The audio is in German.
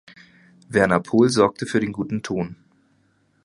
Werner Pohl sorgte für den guten Ton.